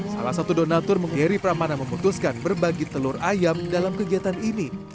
salah satu donatur mengheri pramana memutuskan berbagi telur ayam dalam kegiatan ini